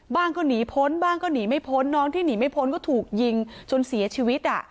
ก็หนีพ้นบ้างก็หนีไม่พ้นน้องที่หนีไม่พ้นก็ถูกยิงจนเสียชีวิต